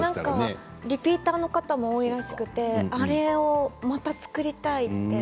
リピーターの方も多いみたいであれをまた作りたいって。